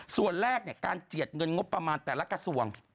ส่วนแรกการเจียดเงินงบประมาณแต่ละกระทรวง